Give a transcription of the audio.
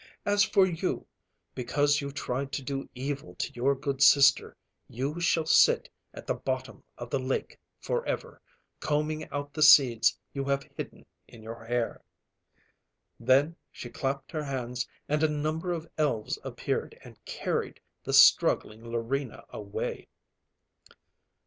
As for you, because you tried to do evil to your good sister, you shall sit at the bottom of the lake forever, combing out the seeds you have hidden in your hair." Then, she clapped her hands and a number of elves appeared and carried the struggling Larina away.